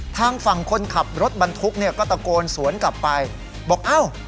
ทางฝั่งคนขับรถบรรทุกเนี่ยก็ตะโกนสวนกลับไปบอกอ้าว